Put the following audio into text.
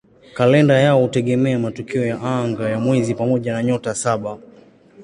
Kalenda yao hutegemea matukio ya anga ya mwezi pamoja na "Nyota Saba".